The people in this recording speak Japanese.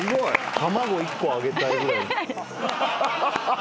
卵１個あげたいぐらい。